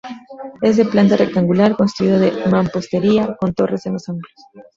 Es de planta rectangular, construido de mampostería, con torres en los ángulos.